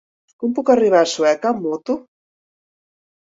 Com puc arribar a Sueca amb moto?